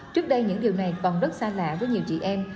trước đây những điều này còn rất xa lạ với nhiều chị em